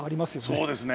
そうですね。